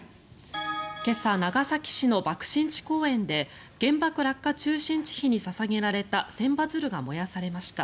今朝、長崎市の爆心地公園で原爆落下中心地碑に捧げられた千羽鶴が燃やされました。